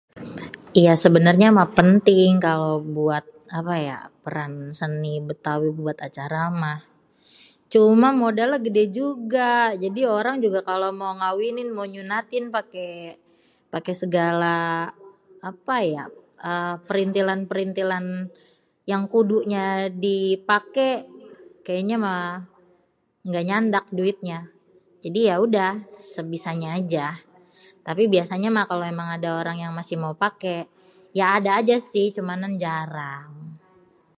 Iya sebenernya mah penting kalo buat apa ya peran seni Bétawi buat acara mah. Cuma modalnya gédé juga. Jadi orang juga kalo mau ngawinin, mau nyunatin, paké, paké segala apa yak, eee printilan-printilan yang kudunya dipaké, kayaknya mah nggak nyandak duitnya. Jadi ya udah, sebisanya aja. Tapi biasanya mah kalo emang ada orang yang masih mau paké ya ada sih, ya cumanan jarang.